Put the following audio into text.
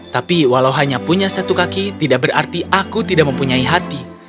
tapi walau hanya punya satu kaki tidak berarti aku tidak mempunyai hati